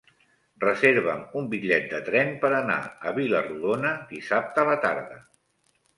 Reserva'm un bitllet de tren per anar a Vila-rodona dissabte a la tarda.